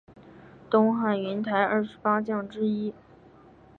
东汉云台二十八将之一。